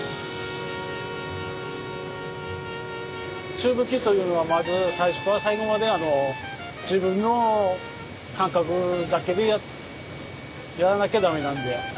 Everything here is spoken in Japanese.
宙吹きというのはまず最初から最後まであの自分の感覚だけでやらなきゃダメなんで。